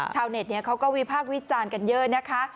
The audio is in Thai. ชาวเน็ตเขาก็วิพากษ์วิจารณ์กันเยอะนะคะ